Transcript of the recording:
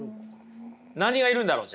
何がいるんだろう？